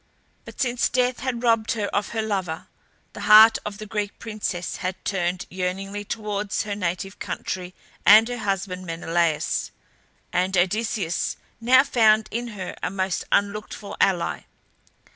But since death had robbed her of her lover, the heart of the Greek princess had turned yearningly towards her native country and her husband Menelaus, and Odysseus now found in her a most unlooked for ally.